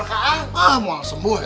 ah mau sembuh ya